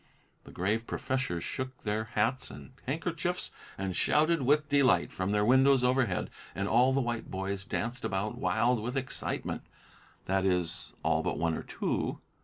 The grave professors shook their hats and handkerchiefs, and shouted with delight from their windows overhead, and all the white boys danced about, wild with excitement. That is, all but one or two.